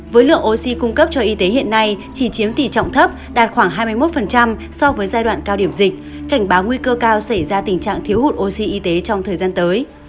với lượng oxy cung cấp cho y tế hiện nay chỉ chiếm tỷ trọng thấp đạt khoảng hai mươi một so với giai đoạn cao điểm dịch cảnh báo nguy cơ cao xảy ra tình trạng thiếu hụt oxy y tế trong thời gian tới